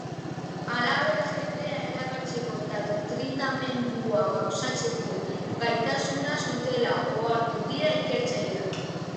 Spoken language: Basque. Halaber, jendea erakartzeko eta doktrinamendua gauzatzeko gaitasuna zutela ohartu dira ikertzaileak.